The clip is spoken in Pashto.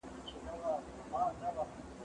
گاهي ادې لاندي، گاهي بابا.